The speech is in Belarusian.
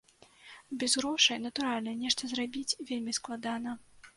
Без грошай, натуральна, нешта зрабіць вельмі складана.